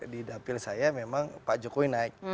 di dapil saya memang pak jokowi naik